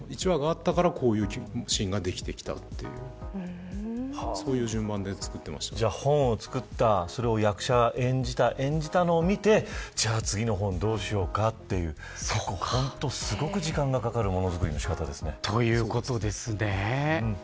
１話があったからこういうシーンが出来てきたという本を作ったそれを役者が演じた演じたのを見て次の本をどうしようかという本当に時間がかかる物作りの仕方ですね。